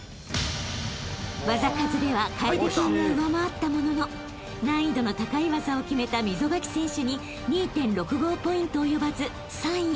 ［技数では楓君が上回ったものの難易度の高い技を決めた溝垣選手に２．６５ポイント及ばず３位］